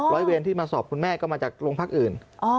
เวรที่มาสอบคุณแม่ก็มาจากโรงพักอื่น